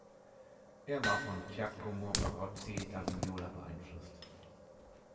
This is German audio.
Er war von Giacomo Barozzi da Vignola beeinflusst.